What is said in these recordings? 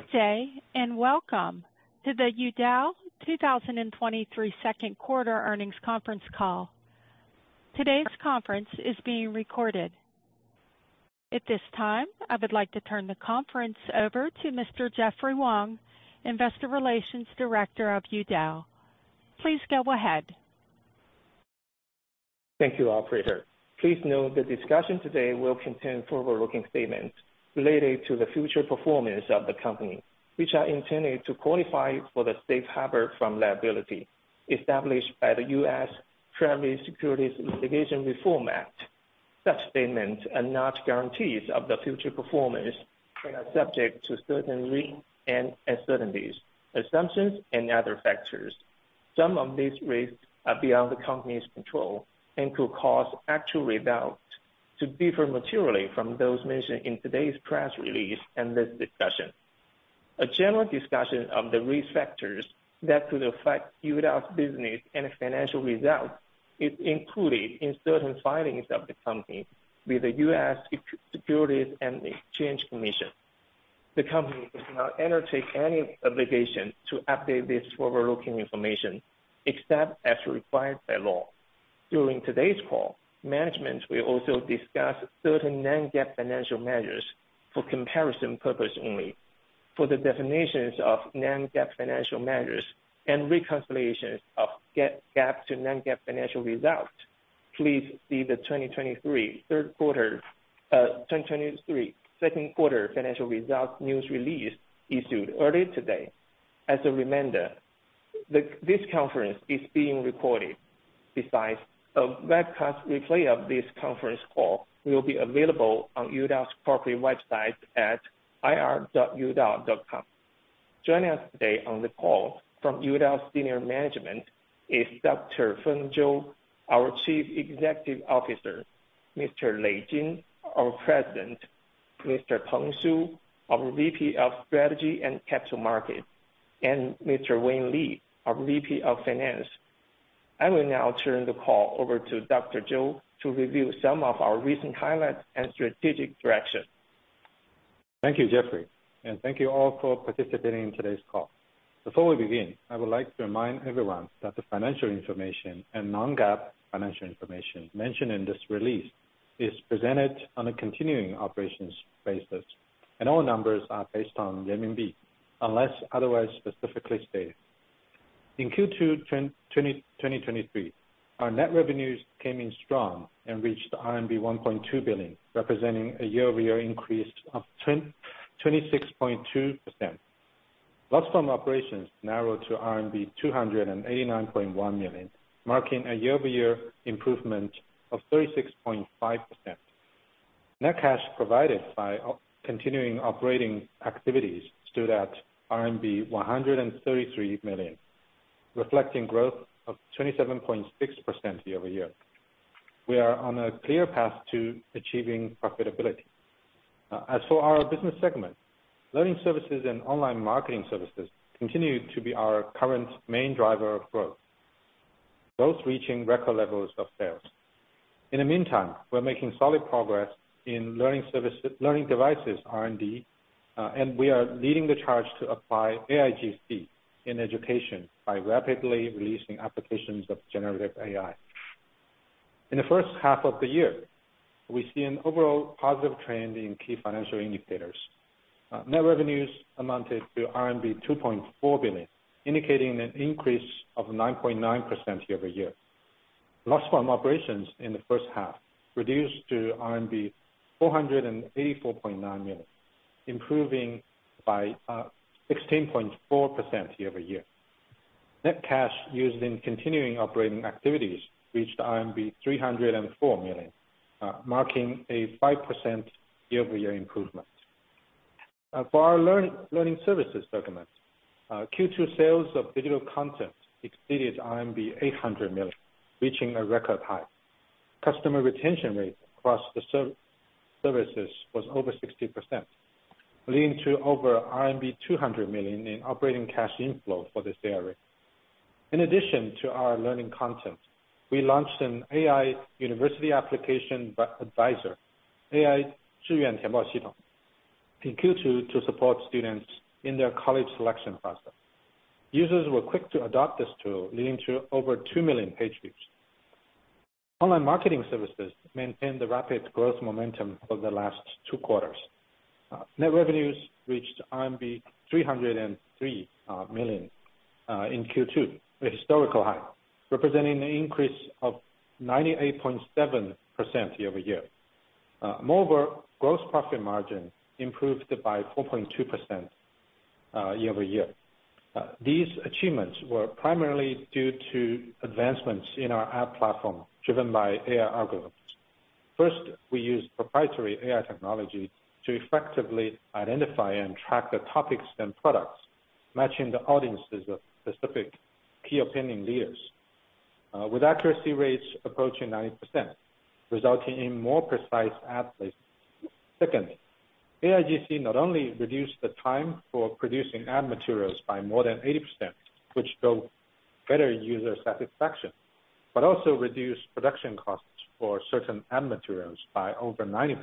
Good day, and welcome to the Youdao 2023 second quarter earnings conference call. Today's conference is being recorded. At this time, I would like to turn the conference over to Mr. Jeffrey Wang, Investor Relations Director of Youdao. Please go ahead. Thank you, operator. Please note the discussion today will contain forward-looking statements related to the future performance of the company, which are intended to qualify for the safe harbor from liability established by the Private Securities Litigation Reform Act. Such statements are not guarantees of the future performance and are subject to certain risks and uncertainties, assumptions, and other factors. Some of these risks are beyond the company's control and could cause actual results to differ materially from those mentioned in today's press release and this discussion. A general discussion of the risk factors that could affect Youdao's business and financial results is included in certain filings of the company with the U.S. Securities and Exchange Commission. The company does not undertake any obligation to update this forward-looking information, except as required by law. During today's call, management will also discuss certain non-GAAP financial measures for comparison purposes only. For the definitions of non-GAAP financial measures and reconciliations of GAAP to non-GAAP financial results, please see the 2023 second quarter financial results news release issued earlier today. As a reminder, this conference is being recorded. Besides, a webcast replay of this conference call will be available on Youdao's corporate website at ir.youdao.com. Joining us today on the call from Youdao Senior Management is Dr. Feng Zhou, our Chief Executive Officer, Mr. Lei Jin, our President, Mr. Peng Su, our VP of Strategy and Capital Markets, and Mr. Wayne Li, our VP of Finance. I will now turn the call over to Dr. Zhou to review some of our recent highlights and strategic direction. Thank you, Jeffrey, and thank you all for participating in today's call. Before we begin, I would like to remind everyone that the financial information and non-GAAP financial information mentioned in this release is presented on a continuing operations basis, and all numbers are based on the RMB, unless otherwise specifically stated. In Q2 2023, our net revenues came in strong and reached RMB 1.2 billion, representing a year-over-year increase of 26.2%. Loss from operations narrowed to RMB 289.1 million, marking a year-over-year improvement of 36.5%. Net cash provided by continuing operating activities stood at RMB 133 million, reflecting growth of 27.6% year over year. We are on a clear path to achieving profitability. As for our business segment, learning services and online marketing services continue to be our current main driver of growth, both reaching record levels of sales. In the meantime, we're making solid progress in learning services, learning devices, R&D, and we are leading the charge to apply AIGC in education by rapidly releasing applications of generative AI. In the first half of the year, we see an overall positive trend in key financial indicators. Net revenues amounted to RMB 2.4 billion, indicating an increase of 9.9% year-over-year. Loss from operations in the first half reduced to RMB 484.9 million, improving by 16.4% year-over-year. Net cash used in continuing operating activities reached RMB 304 million, marking a 5% year-over-year improvement. For our learning services segment, Q2 sales of digital content exceeded RMB 800 million, reaching a record high. Customer retention rate across the services was over 60%, leading to over RMB 200 million in operating cash inflow for this area. In addition to our learning content, we launched an AI college admission adviser in Q2 to support students in their college selection process. Users were quick to adopt this tool, leading to over 2 million page views. Online marketing services maintained the rapid growth momentum over the last two quarters. Net revenues reached RMB 303 million in Q2, a historical high, representing an increase of 98.7% year-over-year. Moreover, gross profit margin improved by 4.2% year-over-year. These achievements were primarily due to advancements in our ad platform, driven by AI algorithms. First, we used proprietary AI technology to effectively identify and track the topics and products, matching the audiences of specific key opinion leaders, with accuracy rates approaching 90%, resulting in more precise ad placement. Secondly, AIGC not only reduced the time for producing ad materials by more than 80%, which better user satisfaction, but also reduce production costs for certain ad materials by over 90%,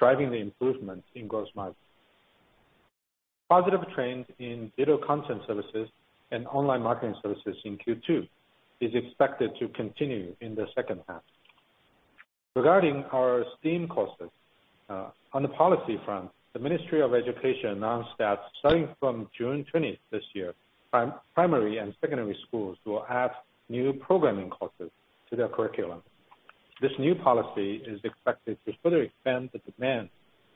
driving the improvement in gross margin. Positive trends in digital content services and online marketing services in Q2 is expected to continue in the second half. Regarding our STEAM courses, on the policy front, the Ministry of Education announced that starting from June 20th this year, primary and secondary schools will add new programming courses to their curriculum. This new policy is expected to further expand the demand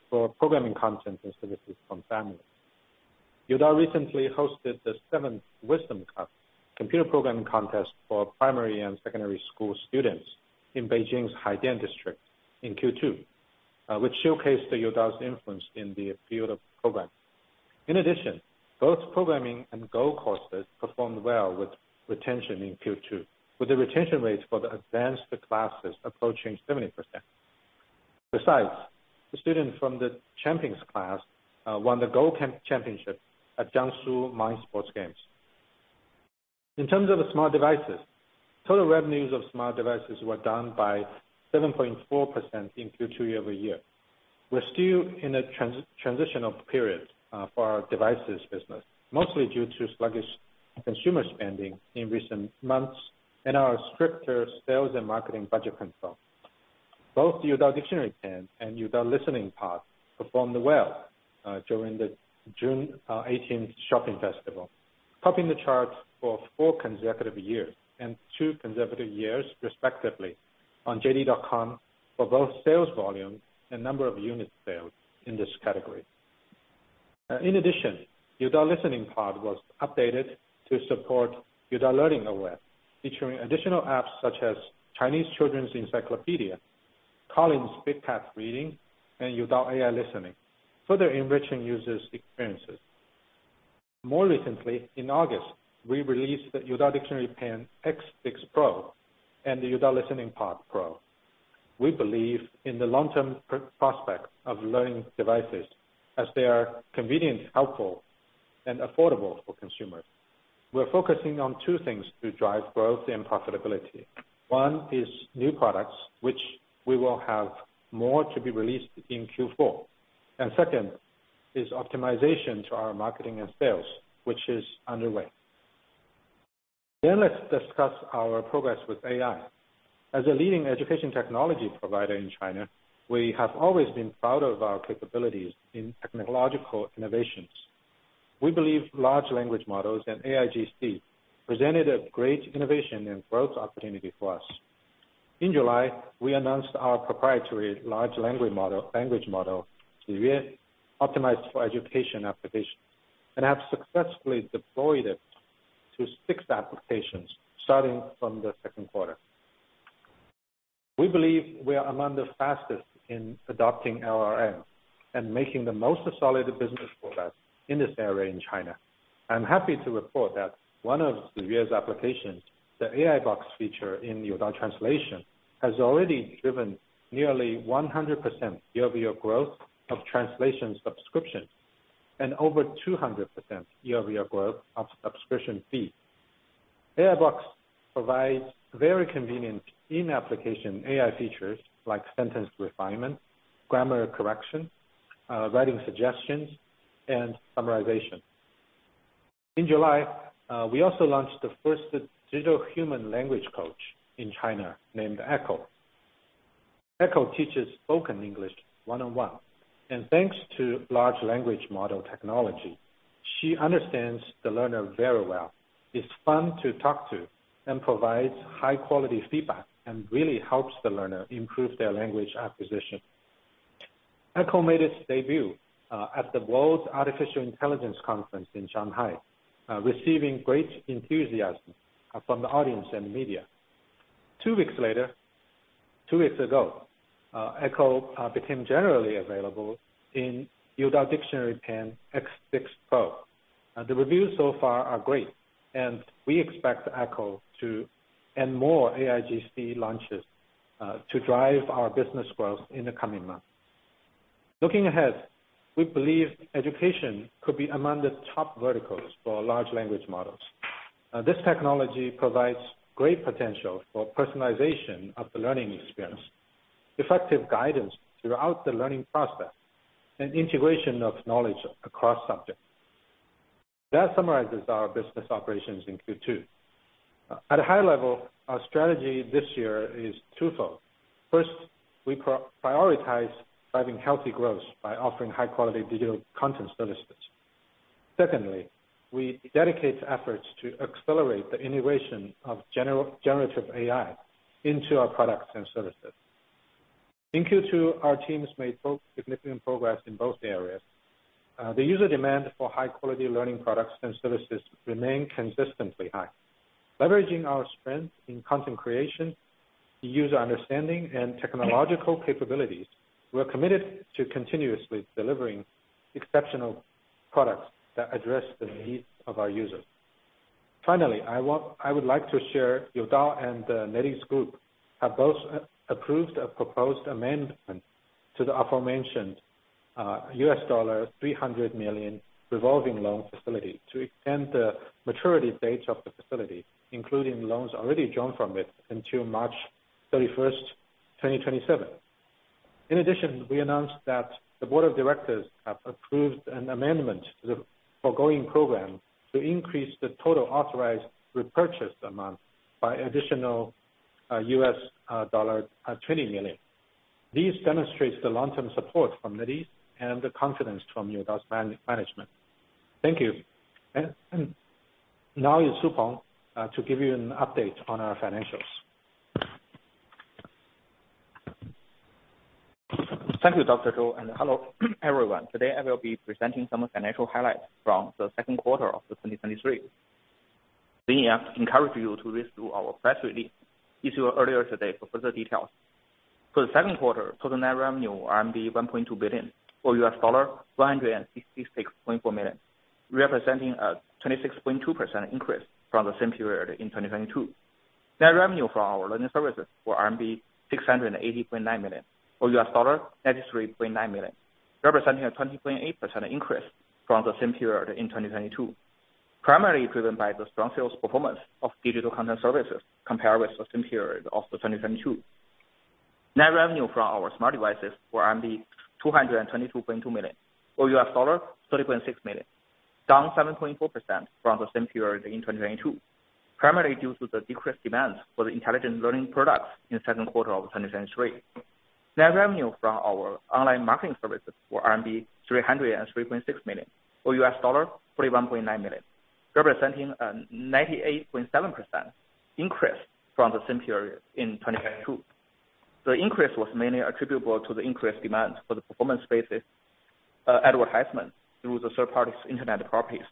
for programming content and services from families. Youdao recently hosted the seventh Wisdom Cup computer programming contest for primary and secondary school students in Beijing's Haidian District in Q2, which showcased Youdao's influence in the field of programming. In addition, both programming and Go courses performed well with retention in Q2, with the retention rates for the advanced classes approaching 70%. Besides, the student from the Champions class won the Go championship at Jiangsu Mind Sports Games. In terms of the smart devices, total revenues of smart devices were down by 7.4% in Q2 year-over-year. We're still in a transitional period for our devices business, mostly due to sluggish consumer spending in recent months and our stricter sales and marketing budget control. Both Youdao Dictionary Pen and Youdao Listening Pod performed well during the June 18 Shopping Festival, topping the charts for four consecutive years and two consecutive years respectively on JD.com for both sales volume and number of units sold in this category. In addition, Youdao Listening Pod was updated to support Youdao Learning OS featuring additional apps such as Chinese Children's Encyclopedia, Collins Big Cat Reading, and Youdao AI Listening, further enriching users' experiences. More recently, in August, we released the Youdao Dictionary Pen X6 Pro and the Youdao Listening Pod Pro. We believe in the long-term prospect of learning devices as they are convenient, helpful, and affordable for consumers. We're focusing on two things to drive growth and profitability. One is new products, which we will have more to be released in Q4. Second is optimization to our marketing and sales, which is underway. Then let's discuss our progress with AI. As a leading education technology provider in China, we have always been proud of our capabilities in technological innovations. We believe large language models and AIGC presented a great innovation and growth opportunity for us. In July, we announced our proprietary large language model, language model, Ziyue, optimized for education application, and have successfully deployed it to six applications starting from the second quarter. We believe we are among the fastest in adopting LLM and making the most solid business progress in this area in China. I'm happy to report that one of Ziyue's applications, the AI Box feature in Youdao Translation, has already driven nearly 100% year-over-year growth of translation subscription, and over 200% year-over-year growth of subscription fees. AI Box provides very convenient in-application AI features like sentence refinement, grammar correction, writing suggestions, and summarization. In July, we also launched the first digital human language coach in China named Echo. Echo teaches spoken English one-on-one, and thanks to large language model technology, she understands the learner very well, is fun to talk to, and provides high-quality feedback and really helps the learner improve their language acquisition. Echo made its debut at the World Artificial Intelligence Conference in Shanghai, receiving great enthusiasm from the audience and media. Two weeks later - two weeks ago, Echo became generally available in Youdao Dictionary Pen X6 Pro. The reviews so far are great, and we expect Echo to, and more AIGC launches, to drive our business growth in the coming months. Looking ahead, we believe education could be among the top verticals for large language models. This technology provides great potential for personalization of the learning experience, effective guidance throughout the learning process, and integration of knowledge across subjects. That summarizes our business operations in Q2. At a high level, our strategy this year is twofold. First, we prioritize driving healthy growth by offering high-quality digital content services. Secondly, we dedicate efforts to accelerate the integration of generative AI into our products and services. In Q2, our teams made both significant progress in both areas. The user demand for high-quality learning products and services remain consistently high. Leveraging our strength in content creation, user understanding, and technological capabilities, we're committed to continuously delivering exceptional products that address the needs of our users. Finally, I would like to share Youdao and the NetEase Group have both approved a proposed amendment to the aforementioned-... $300 million revolving loan facility to extend the maturity date of the facility, including loans already drawn from it, until March 31, 2027. In addition, we announced that the board of directors have approved an amendment to the foregoing program to increase the total authorized repurchase amount by an additional $20 million. This demonstrates the long-term support from NetEase and the confidence from your business management. Thank you. Now it's Peng Su to give you an update on our financials. Thank you, Dr. Zhou, and hello everyone. Today I will be presenting some financial highlights from the second quarter of 2023. Then I encourage you to read through our press release issued earlier today for further details. For the second quarter, total net revenue RMB 1.2 billion, or $166.4 million, representing a 26.2% increase from the same period in 2022. Net revenue from our learning services were RMB 680.9 million, or $93.9 million, representing a 20.8% increase from the same period in 2022. Primarily driven by the strong sales performance of digital content services compared with the same period of 2022. Net revenue from our smart devices were 222.2 million, or $30.6 million, down 7.4% from the same period in 2022, primarily due to the decreased demand for the intelligent learning products in the second quarter of 2023. Net revenue from our online marketing services were RMB 303.6 million, or $41.9 million, representing a 98.7% increase from the same period in 2022. The increase was mainly attributable to the increased demand for the performance-based advertisement through the third party's internet properties.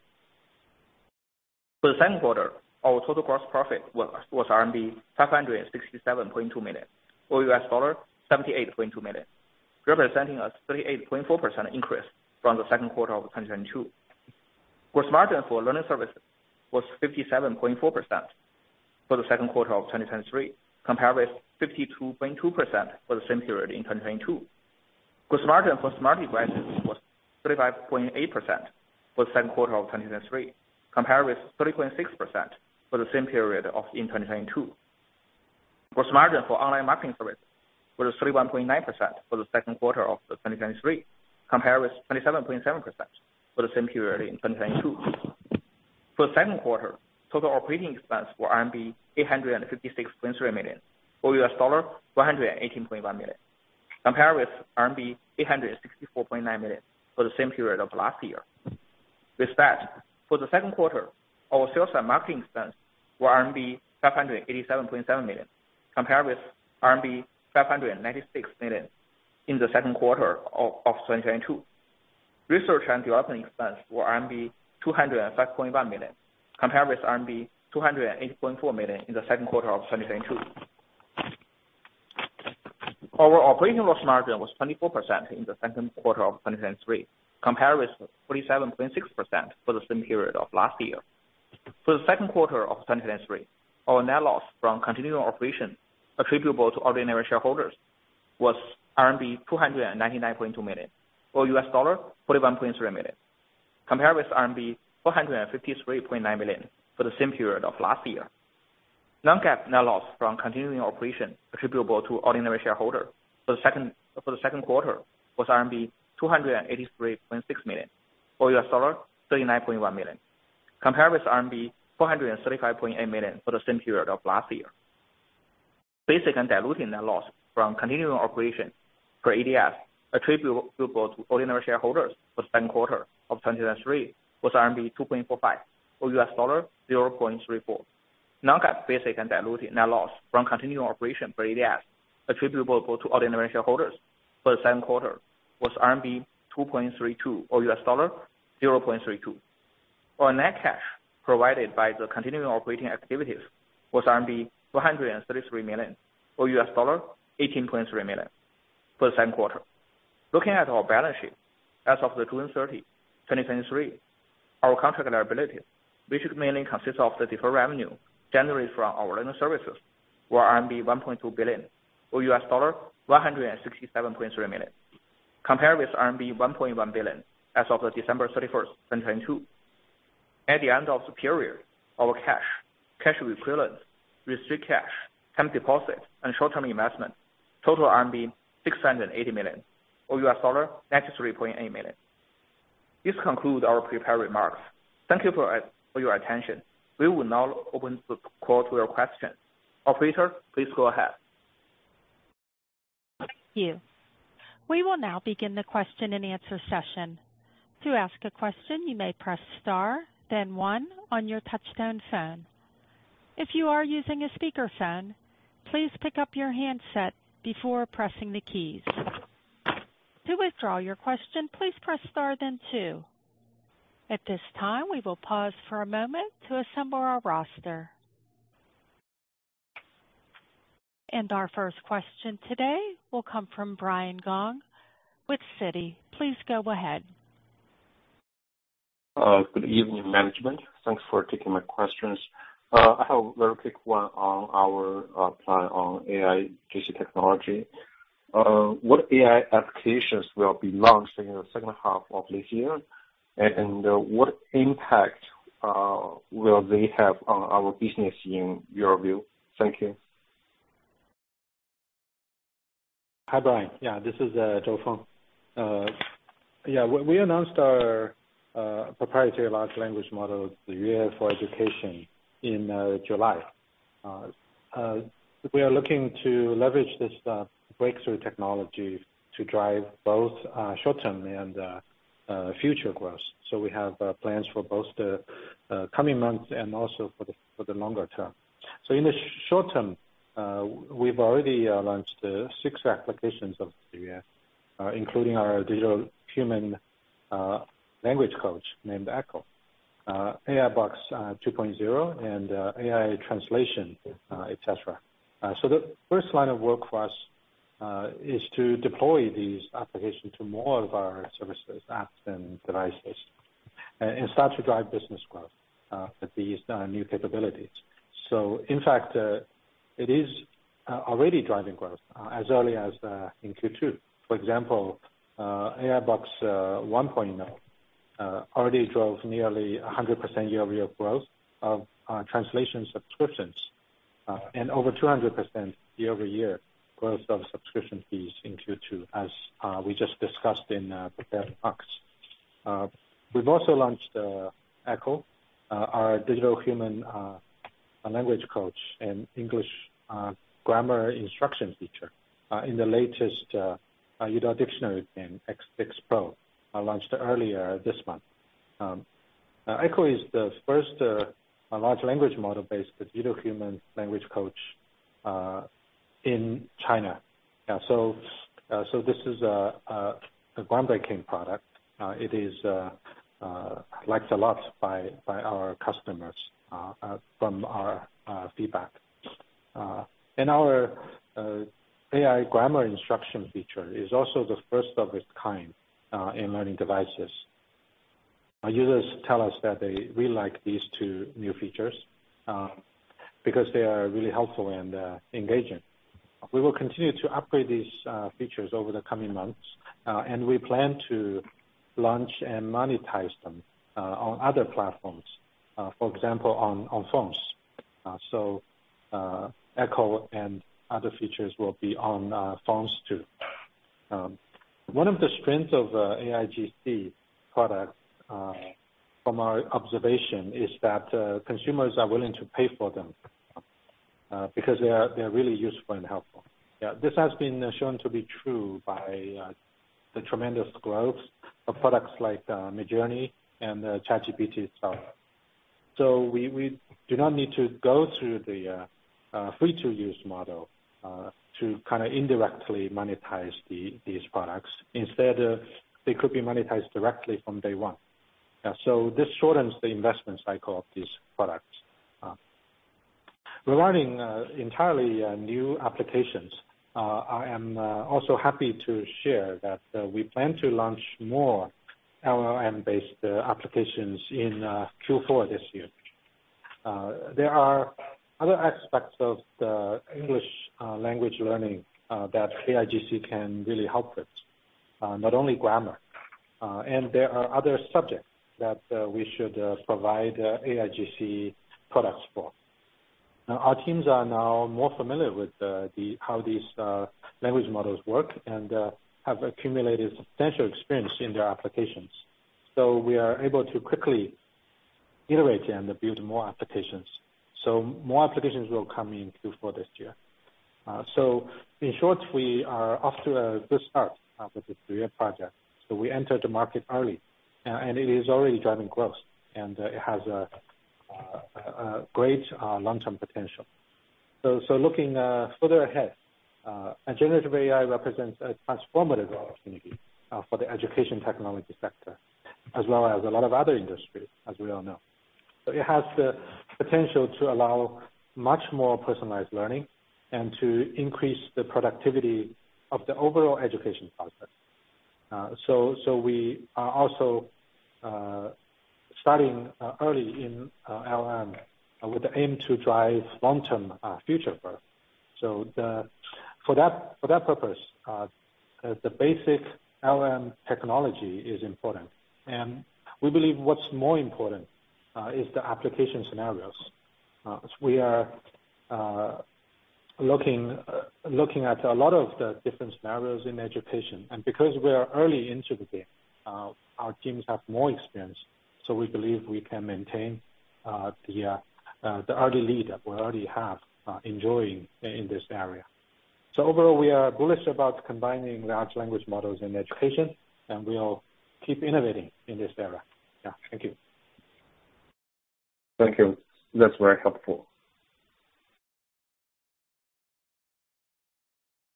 For the second quarter, our total gross profit was RMB 567.2 million, or $78.2 million, representing a 38.4% increase from the second quarter of 2022. Gross margin for learning services was 57.4% for the second quarter of 2023, compared with 52.2% for the same period in 2022. Gross margin for smart devices was 35.8% for the second quarter of 2023, compared with 30.6% for the same period in 2022. Gross margin for online marketing service was 31.9% for the second quarter of the 2023, compared with 27.7% for the same period in 2022. For the second quarter, total operating expense were RMB 856.3 million, or $118.1 million, compared with RMB 864.9 million for the same period of last year. With that, for the second quarter, our sales and marketing expense were RMB 587.7 million, compared with RMB 596 million in the second quarter of 2022. Research and development expense were RMB 205.1 million, compared with RMB 208.4 million in the second quarter of 2022. Our operating margin was 24% in the second quarter of 2023, compared with 47.6% for the same period of last year. For the second quarter of 2023, our net loss from continuing operation attributable to ordinary shareholders was RMB 299.2 million, or $41.3 million, compared with RMB 453.9 million for the same period of last year. Non-GAAP net loss from continuing operations attributable to ordinary shareholders for the second, for the second quarter was RMB 283.6 million or $39.1 million, compared with RMB 435.8 million for the same period of last year. Basic and diluted net loss from continuing operations per ADS attributable to ordinary shareholders for second quarter of 2023 was RMB 2.45 or $0.34. Non-GAAP basic and diluted net loss from continuing operations per ADS attributable to all ordinary shareholders for the second quarter was RMB 2.32 or $0.32. Our net cash provided by the continuing operating activities was RMB 133 million, or $18.3 million for the same quarter. Looking at our balance sheet, as of June 30, 2023, our contract liability, which mainly consists of the deferred revenue generated from our learning services, were RMB 1.2 billion, or $167.3 million, compared with RMB 1.1 billion as of December 31, 2022. At the end of the period, our cash, cash equivalents, restricted cash, time deposit and short-term investment, total RMB 680 million, or $93.8 million. This concludes our prepared remarks. Thank you for your attention. We will now open the call to your questions. Operator, please go ahead. Thank you. We will now begin the question and answer session. To ask a question, you may press star, then one on your touchtone phone. If you are using a speakerphone, please pick up your handset before pressing the keys. To withdraw your question, please press star then two. At this time, we will pause for a moment to assemble our roster. Our first question today will come from Brian Gong with Citi. Please go ahead.... Good evening, management. Thanks for taking my questions. I have a very quick one on our plans on AIGC technology. What AI applications will be launched in the second half of this year? And what impact will they have on our business in your view? Thank you. Hi, Brian. Yeah, this is Feng Zhou. Yeah, we announced our proprietary large language model, Ziyue for education, in July. We are looking to leverage this breakthrough technology to drive both short-term and future growth. So we have plans for both the coming months and also for the longer term. So in the short term, we've already launched six applications of Ziyue, including our digital human language coach named Echo, AI Box 2.0, and AI translation, etcetera. So the first line of work for us is to deploy these applications to more of our services, apps, and devices and start to drive business growth with these new capabilities. So in fact, it is already driving growth as early as in Q2. For example, AI Box 1.0 already drove nearly 100% year-over-year growth of translation subscriptions, and over 200% year-over-year growth of subscription fees in Q2, as we just discussed in prepared talks. We've also launched Echo, our digital human language coach and English grammar instruction feature, in the latest Youdao Dictionary Pen X6 Pro, launched earlier this month. Echo is the first large language model-based digital human language coach in China. So this is a groundbreaking product. It is liked a lot by our customers from our feedback. Our AI grammar instruction feature is also the first of its kind in learning devices. Our users tell us that they really like these two new features because they are really helpful and engaging. We will continue to upgrade these features over the coming months and we plan to launch and monetize them on other platforms, for example, on phones. So Echo and other features will be on phones too. One of the strengths of AIGC products from our observation is that consumers are willing to pay for them because they are they are really useful and helpful. Yeah, this has been shown to be true by the tremendous growth of products like Midjourney and ChatGPT itself. So we do not need to go to the free to use model to kind of indirectly monetize these products. Instead, they could be monetized directly from day one. This shortens the investment cycle of these products. Regarding entirely new applications, I am also happy to share that we plan to launch more LLM-based applications in Q4 this year. There are other aspects of the English language learning that AIGC can really help with, not only grammar, and there are other subjects that we should provide AIGC products for. Now, our teams are more familiar with how these language models work and have accumulated substantial experience in their applications. So we are able to quickly iterate and build more applications. So more applications will come in Q4 this year. So in short, we are off to a good start with this career project. So we entered the market early, and it is already driving growth, and it has a great long-term potential. So looking further ahead, a generative AI represents a transformative opportunity for the education technology sector, as well as a lot of other industries, as we all know. So it has the potential to allow much more personalized learning and to increase the productivity of the overall education process. So we are also starting early in LLM with the aim to drive long-term future growth. For that, for that purpose, the basic LLM technology is important, and we believe what's more important is the application scenarios. We are looking at a lot of the different scenarios in education, and because we are early into the game, our teams have more experience, so we believe we can maintain the early lead that we already have enjoying in this area. So overall, we are bullish about combining large language models in education, and we will keep innovating in this area. Yeah. Thank you. Thank you. That's very helpful.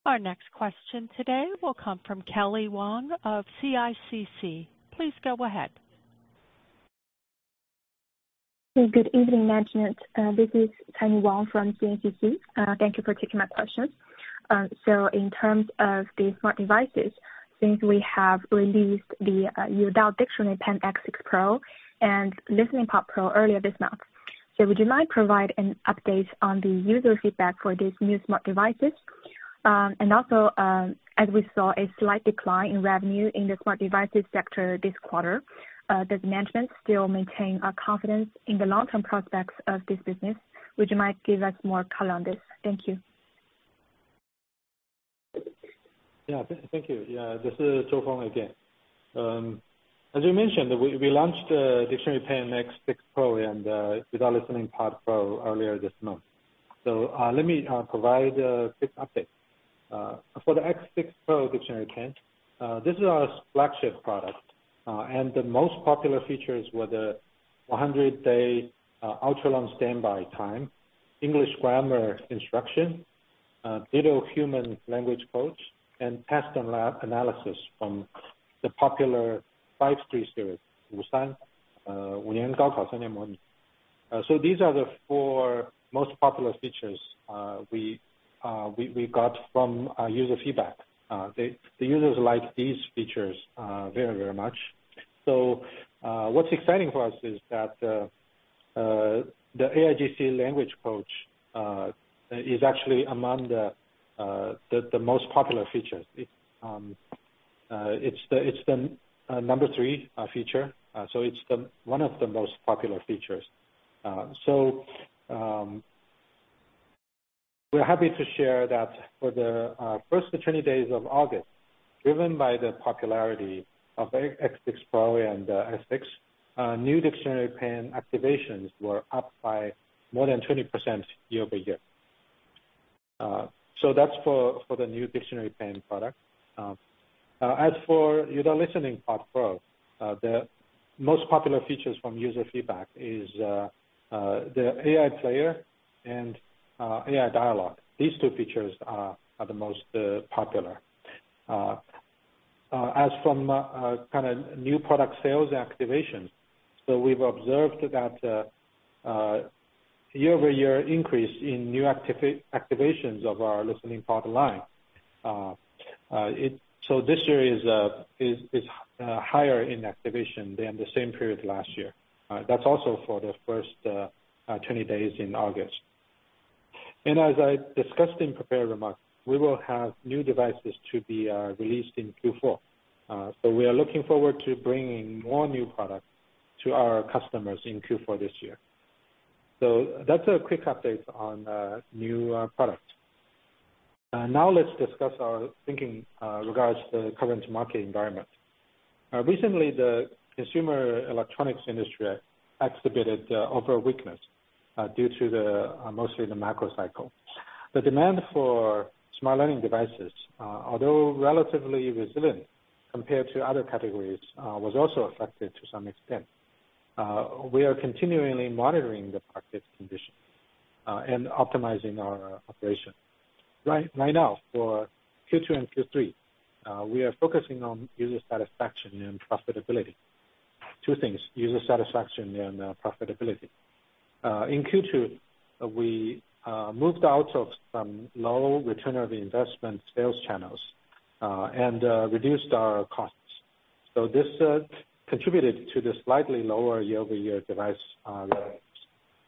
Our next question today will come from Tammy Wang of CICC. Please go ahead.... Good evening, management. This is Tammy Wong from CICC. Thank you for taking my questions. So in terms of the smart devices, since we have released the Youdao Dictionary Pen X6 Pro and Listening Pod Pro earlier this month, so would you mind provide an update on the user feedback for these new smart devices? And also, as we saw a slight decline in revenue in the smart devices sector this quarter, does management still maintain a confidence in the long-term prospects of this business? Would you mind give us more color on this? Thank you. Yeah. Thank you. Yeah, this is Feng Zhou again. As you mentioned, we launched the dictionary pen X6 Pro and with our Listening Pod Pro earlier this month. Let me provide a quick update. For the X6 Pro dictionary pen, this is our flagship product, and the most popular features were the 100-day ultra long standby time, English grammar instruction, digital human language coach, and test and analysis from the popular Five-Three Series (5年高考3年模拟). So these are the four most popular features we got from user feedback. The users like these features very, very much. So, what's exciting for us is that the AIGC language coach is actually among the most popular features. It's the number 3 feature, so it's one of the most popular features. So, we're happy to share that for the first 20 days of August, driven by the popularity of X6 Pro and S6, new dictionary pen activations were up by more than 20% year-over-year. So that's for the new dictionary pen product. As for the Listening Pod Pro, the most popular features from user feedback is the AI player and AI dialogue. These two features are the most popular. As for kind of new product sales activation, so we've observed that year-over-year increase in new activations of our Listening Pod line. So this year is higher in activation than the same period last year. That's also for the first 20 days in August. And as I discussed in prepared remarks, we will have new devices to be released in Q4. So we are looking forward to bringing more new products to our customers in Q4 this year. That's a quick update on new products. Now let's discuss our thinking regarding the current market environment. Recently, the consumer electronics industry exhibited overall weakness due to mostly the macro cycle. The demand for smart learning devices, although relatively resilient compared to other categories, was also affected to some extent. We are continually monitoring the market's condition and optimizing our operation. Right, right now, for Q2 and Q3, we are focusing on user satisfaction and profitability. Two things, user satisfaction and profitability. In Q2, we moved out of some low return on investment sales channels and reduced our costs. So this contributed to the slightly lower year-over-year device levels.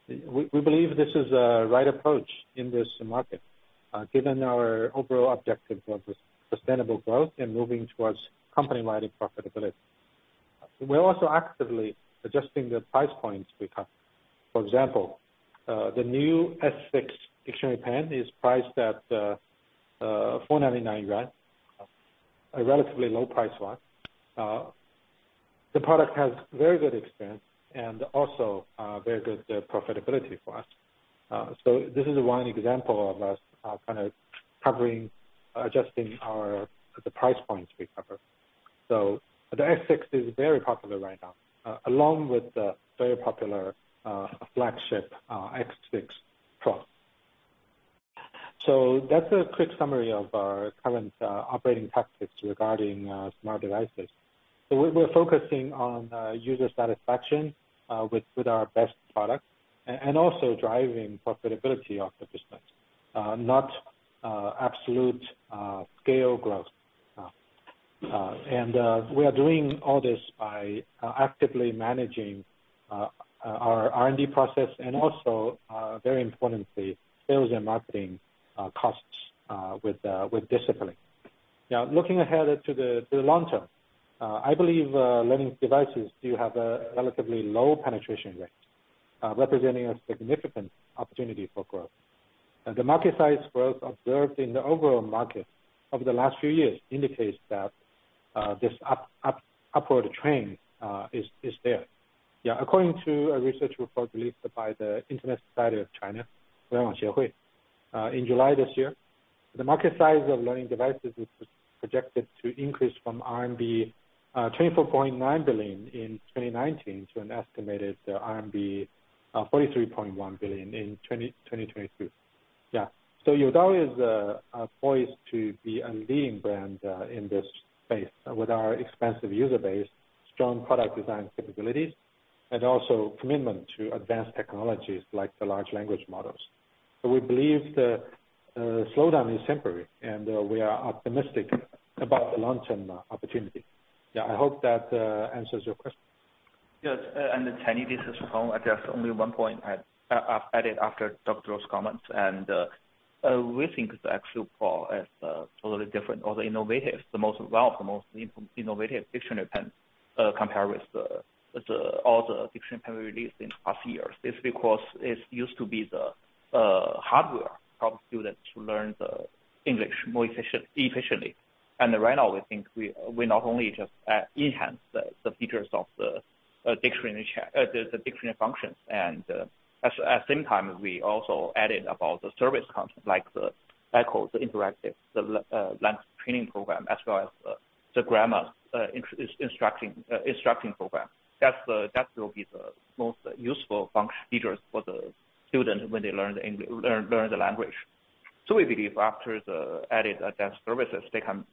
We believe this is a right approach in this market, given our overall objective of sustainable growth and moving towards company-wide profitability. We're also actively adjusting the price points we cover. For example, the new S6 dictionary pen is priced at 499 yuan, a relatively low price one. The product has very good experience and also very good profitability for us. So this is one example of us kind of covering, adjusting our price points we cover. So the S6 is very popular right now, along with the very popular flagship X6 Pro. So that's a quick summary of our current operating tactics regarding smart devices. So we're focusing on user satisfaction with our best products and also driving profitability of the business, not absolute scale growth. And we are doing all this by actively managing our R&D process and also, very importantly, sales and marketing costs with discipline. Now, looking ahead to the long term, I believe learning devices do have a relatively low penetration rate, representing a significant opportunity for growth. The market size growth observed in the overall market over the last few years indicates that this upward trend is there. Yeah, according to a research report released by the Internet Society of China in July this year, the market size of learning devices is projected to increase from RMB 24.9 billion in 2019 to an estimated RMB 43.1 billion in 2023. Yeah. So Youdao is poised to be a leading brand in this space with our expansive user base, strong product design capabilities, and also commitment to advanced technologies like the large language models. So we believe the slowdown is temporary, and we are optimistic about the long-term opportunity. Yeah, I hope that answers your question. Yes, and this is Peng Su. I just only one point, I'll add it after Dr. Zhou comments, and we think the X6 Pro is totally different or innovative, the most innovative dictionary pen compared with all the dictionary pen released in past years. It's because it used to be the hardware for students to learn the English more efficiently. And right now, we think we not only just enhance the features of the dictionary check, the dictionary functions, and at the same time, we also added about the service content, like the Echo, the interactive, the language training program, as well as the grammar instructing program. That will be the most useful function features for the students when they learn the language. So we believe after the added advanced services, they can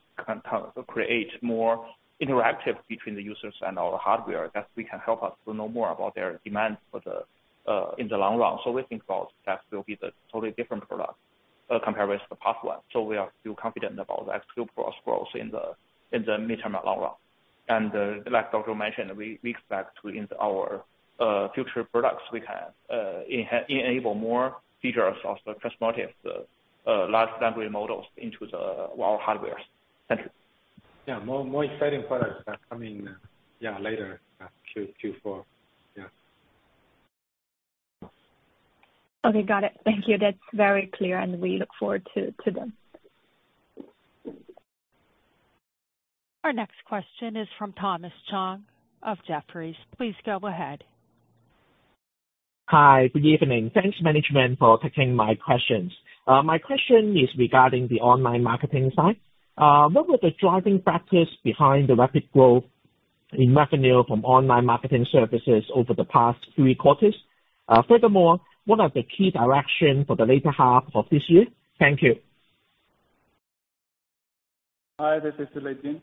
create more interactive between the users and our hardware, that we can help us to know more about their demands in the long run. So we think that will be the totally different product compared with the past one. So we are still confident about X2 Pro growth in the midterm and long run. And like Dr. Zhou mentioned, we expect within our future products, we can enable more features of the transformative large language models into our hardwares. Thank you. Yeah, more, more exciting products are coming, yeah, later, Q4. Yeah. Okay, got it. Thank you. That's very clear, and we look forward to them. Our next question is from Thomas Chong of Jefferies. Please go ahead. Hi, good evening. Thanks, management, for taking my questions. My question is regarding the online marketing side. What were the driving factors behind the rapid growth in revenue from online marketing services over the past three quarters? Furthermore, what are the key direction for the latter half of this year? Thank you. Hi, this is Lei Jin.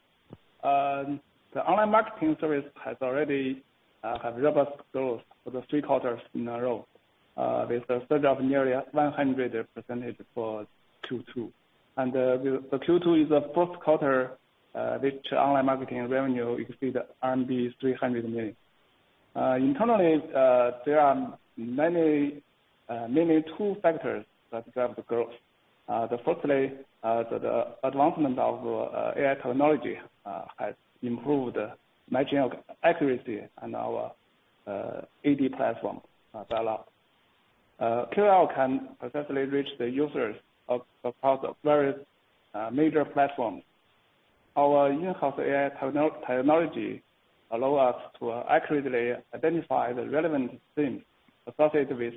The online marketing service has already have robust growth for the three quarters in a row, with a surge of nearly 100% for Q2. The Q2 is the first quarter which online marketing revenue exceeded 300 million. Internally, there are many, mainly two factors that drive the growth. Firstly, the advancement of AI technology has improved matching accuracy on our ad platform a lot. KOL can successfully reach the users across the various major platforms. Our in-house AI technology allow us to accurately identify the relevant things associated with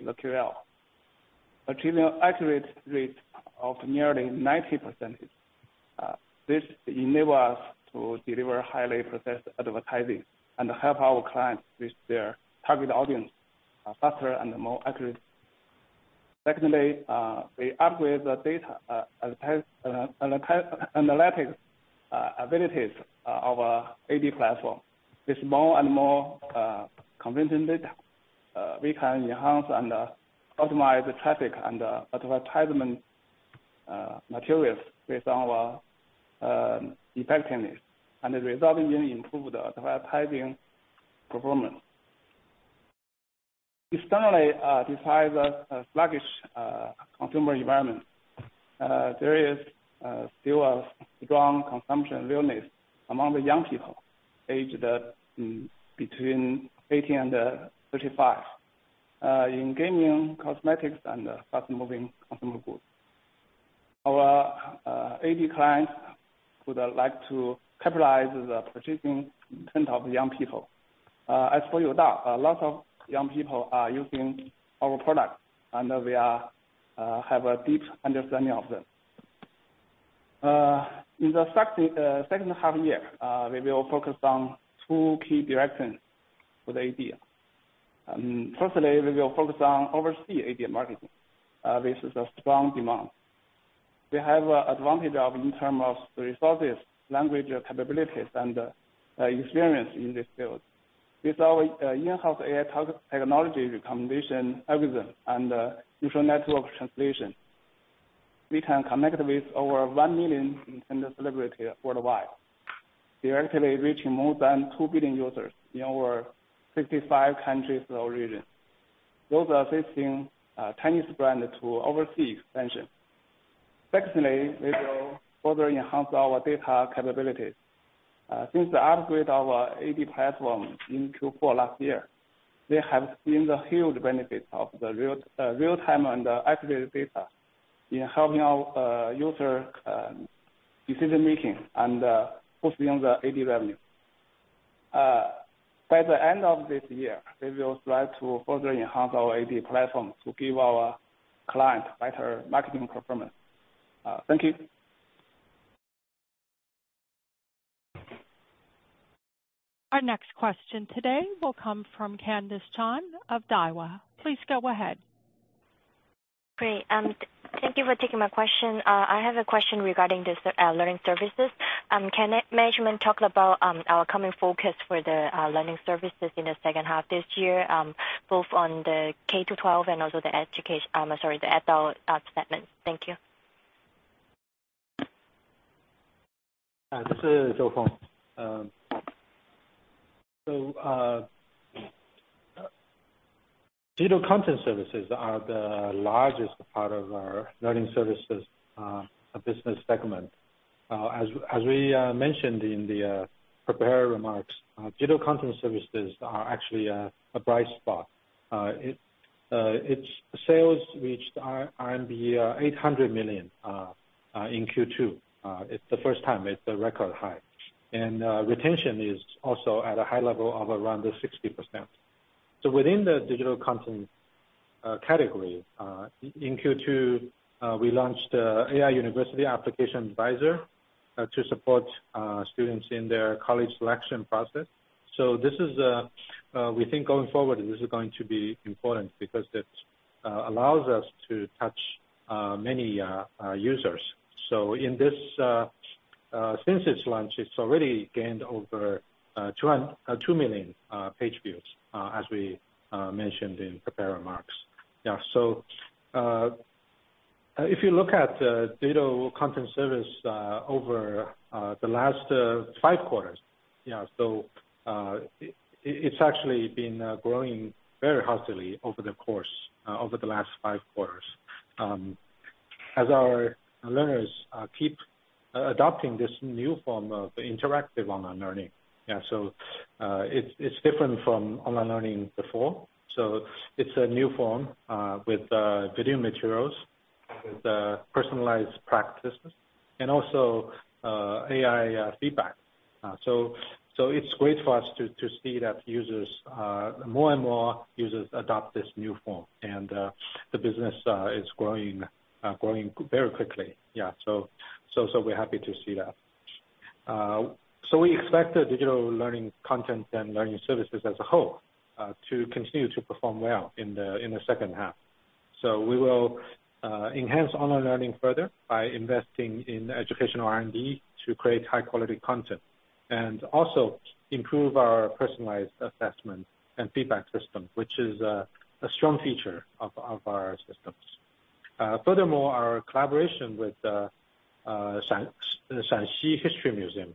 the KOL achieving accurate rate of nearly 90%. This enable us to deliver highly precise advertising and help our clients reach their target audience faster and more accurate. Secondly, we upgrade the data analytics abilities of our AD platform. With more and more convincing data, we can enhance and optimize the traffic and advertisement materials with our effectiveness, and the result is improved advertising performance. Externally, despite the sluggish consumer environment, there is still a strong consumption willingness among the young people aged between 18 and 35 in gaming, cosmetics, and fast-moving consumer goods. Our AD clients would like to capitalize the purchasing intent of young people. As for Youdao, a lot of young people are using our products, and we have a deep understanding of them. In the second half year, we will focus on two key directions for the AD. Firstly, we will focus on overseas AD marketing. This is a strong demand. We have an advantage of in terms of resources, language capabilities, and experience in this field. With our in-house AI technology recommendation algorithm and neural network translation, we can connect with over 1 million influencer celebrity worldwide. We are actively reaching more than 2 billion users in over 55 countries or regions. Those are assisting Chinese brand to overseas expansion. Secondly, we will further enhance our data capabilities. Since the upgrade of our ad platform in Q4 last year, we have seen the huge benefit of the real-time and accurate data in helping our user decision making and boosting the ad revenue. By the end of this year, we will try to further enhance our ad platform to give our clients better marketing performance. Thank you! ...Our next question today will come from Candice Chan of Daiwa. Please go ahead. Great. Thank you for taking my question. I have a question regarding this learning services. Can management talk about our coming focus for the learning services in the second half this year, both on the K to twelve and also the education, sorry, the adult segment? Thank you. Hi, this is Feng Zhou. Digital content services are the largest part of our learning services business segment. As we mentioned in the prepared remarks, digital content services are actually a bright spot. Its sales reached RMB 800 million in Q2. It's the first time, it's a record high. Retention is also at a high level of around 60%. Within the digital content category, in Q2, we launched the AI University Application Advisor to support students in their college selection process. So this is, we think going forward, this is going to be important because it allows us to touch many users. So in this since its launch, it's already gained over 2 million page views, as we mentioned in prepared remarks. Yeah, so if you look at the data content service over the last 5 quarters, you know, so it's actually been growing very healthily over the course over the last 5 quarters. As our learners keep adopting this new form of interactive online learning. Yeah, so it's different from online learning before. So it's a new form with video materials, with personalized practices and also AI feedback. So it's great for us to see that users, more and more users adopt this new form, and the business is growing very quickly. Yeah, so we're happy to see that. So we expect the digital learning content and learning services as a whole to continue to perform well in the second half. So we will enhance online learning further by investing in educational R&D to create high quality content, and also improve our personalized assessment and feedback system, which is a strong feature of our systems. Furthermore, our collaboration with Shaanxi History Museum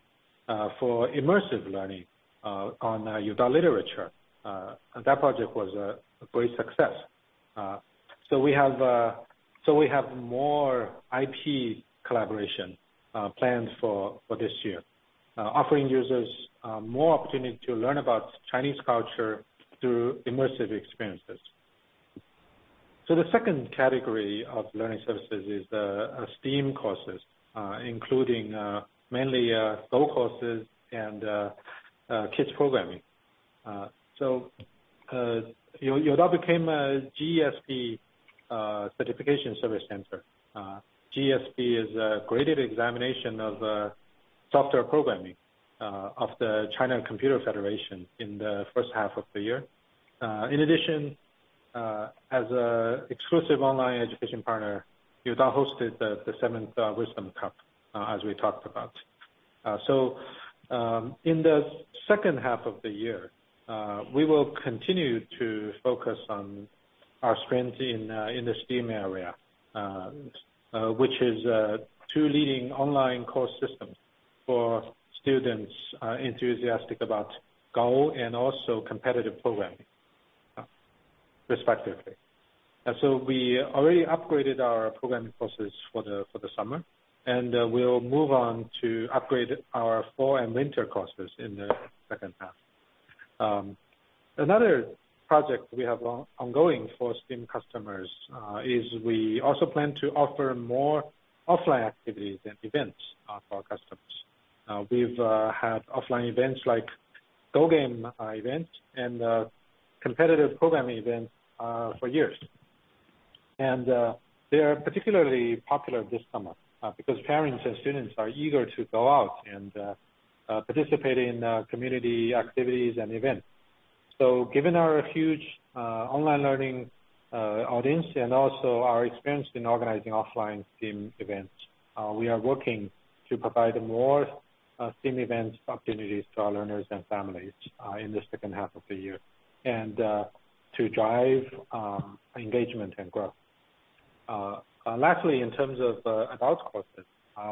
for immersive learning on Youdao Literature, that project was a great success. So we have more IP collaboration planned for this year, offering users more opportunity to learn about Chinese culture through immersive experiences. So the second category of learning services is STEAM courses, including mainly Go courses and kids programming. So Youdao became a GESP certification service center. GESP is a graded examination of software programming of the China Computer Federation in the first half of the year. In addition, as an exclusive online education partner, Youdao hosted the seventh Wisdom Cup, as we talked about. So, in the second half of the year, we will continue to focus on our strength in the STEAM area, which is two leading online course systems for students enthusiastic about Go and also competitive programming, respectively. We already upgraded our programming courses for the summer, and we'll move on to upgrade our fall and winter courses in the second half. Another project we have ongoing for STEAM customers is we also plan to offer more offline activities and events for our customers. We've had offline events like Go game events and competitive programming events for years. They are particularly popular this summer because parents and students are eager to go out and participate in community activities and events. So given our huge online learning audience and also our experience in organizing offline STEAM events, we are working to provide more STEAM events opportunities to our learners and families in the second half of the year and to drive engagement and growth. Lastly, in terms of adult courses,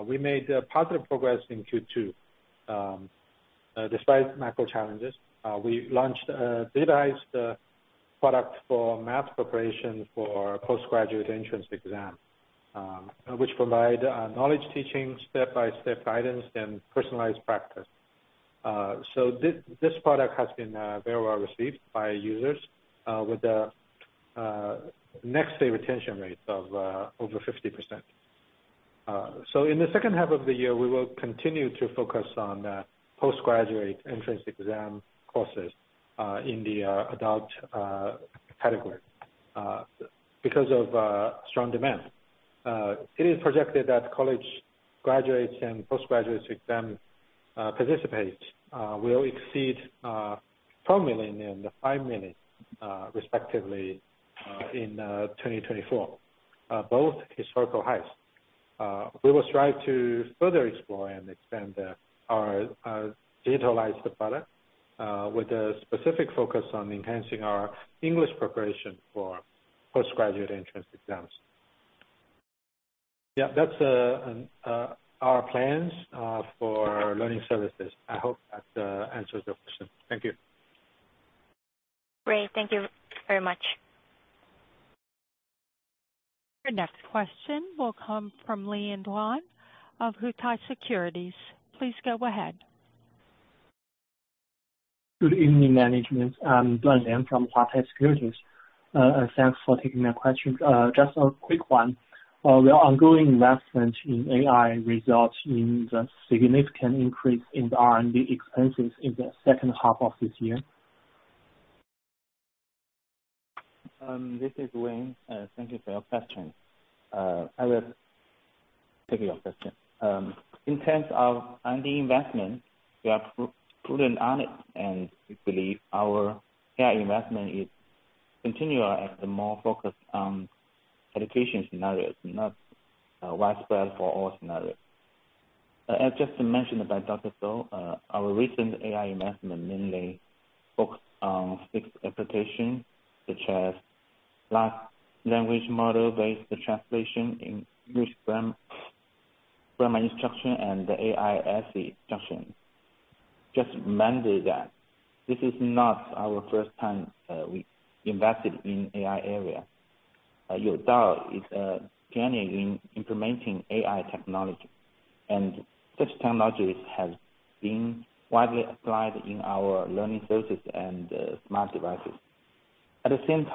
we made positive progress in Q2. Despite macro challenges, we launched digitized product for math preparation for postgraduate entrance exam, which provide knowledge teaching, step-by-step guidance, and personalized practice. So this product has been very well received by users with a next day retention rate of over 50%. So in the second half of the year, we will continue to focus on postgraduate entrance exam courses in the adult category because of strong demand. It is projected that college graduates and postgraduates exam participate will exceed 4 million and 5 million, respectively, in 2024. Both historical highs. We will strive to further explore and expand our digitalized product with a specific focus on enhancing our English preparation for postgraduate entrance exams. Yeah, that's our plans for learning services. I hope that answers your question. Thank you. Great, thank you very much. Your next question will come from Duan Li of Huatai Securities. Please go ahead. Good evening, management. I'm Duan Li from Huatai Securities. Thanks for taking my question. Just a quick one. Will ongoing investment in AI result in the significant increase in R&D expenses in the second half of this year? This is Wayne. Thank you for your question. I will take your question. In terms of R&D investment, we are prudent on it, and we believe our AI investment is continual and more focused on education scenarios, not widespread for all scenarios. As just mentioned by Dr. Zhou, our recent AI investment mainly focused on six applications, such as large language model-based translation in English grammar instruction, and the AI essay instruction. Just remind you that this is not our first time we invested in AI area. Youdao is planning in implementing AI technology, and such technologies have been widely applied in our learning services and smart devices. At the same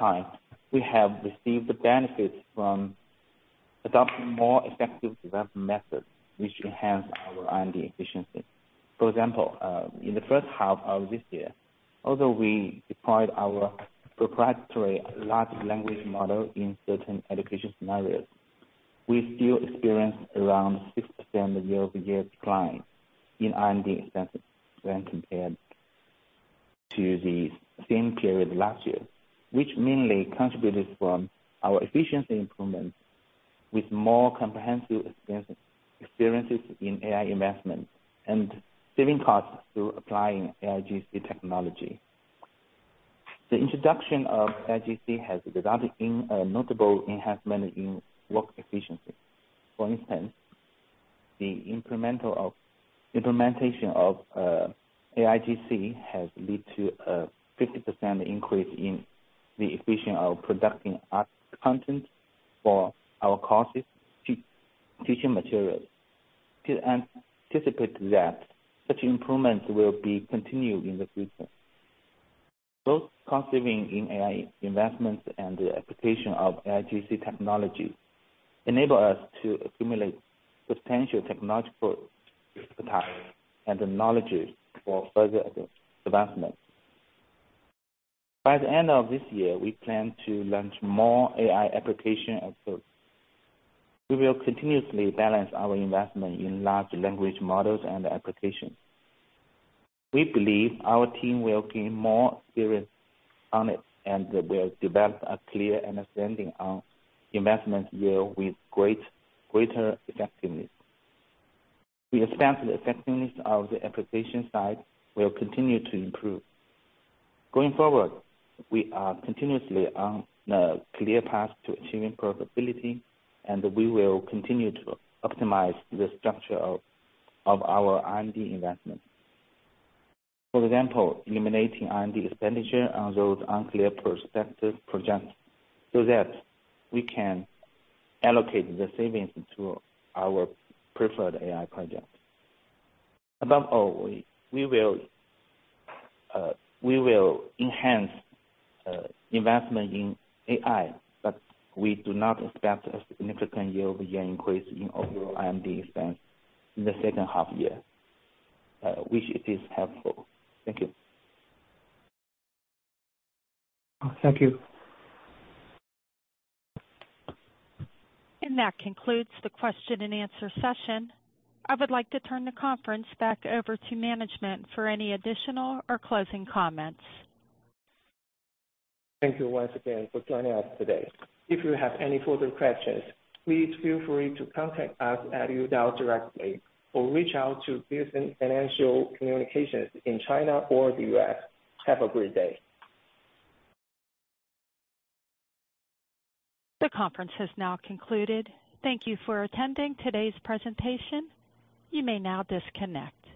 time, we have received the benefits from adopting more effective development methods, which enhance our R&D efficiency. For example, in the first half of this year, although we deployed our proprietary large language model in certain education scenarios, we still experienced around 6% year-over-year decline in R&D expenses when compared to the same period last year, which mainly contributed from our efficiency improvements with more comprehensive experience, experiences in AI investment, and saving costs through applying AIGC technology. The introduction of AIGC has resulted in a notable enhancement in work efficiency. For instance, the incremental of implementation of AIGC has led to a 50% increase in the efficiency of producing art content for our courses, teaching materials. We anticipate that such improvements will be continued in the future. Both cost saving in AI investments and the application of AIGC technology enable us to accumulate potential technological capabilities and the knowledges for further advancement. By the end of this year, we plan to launch more AI application efforts. We will continuously balance our investment in large language models and applications. We believe our team will gain more experience on it, and we'll develop a clear understanding on investment yield with greater effectiveness. We expect the effectiveness of the application side will continue to improve. Going forward, we are continuously on the clear path to achieving profitability, and we will continue to optimize the structure of our R&D investment. For example, eliminating R&D expenditure on those unclear prospective projects, so that we can allocate the savings to our preferred AI projects. Above all, we will enhance investment in AI, but we do not expect a significant year-over-year increase in overall R&D expense in the second half year, which it is helpful. Thank you. Thank you. That concludes the question and answer session. I would like to turn the conference back over to management for any additional or closing comments. Thank you once again for joining us today. If you have any further questions, please feel free to contact us at Youdao directly, or reach out to The Piacente Group in China or the US. Have a great day. The conference has now concluded. Thank you for attending today's presentation. You may now disconnect.